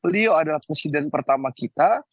beliau adalah presiden pertama kita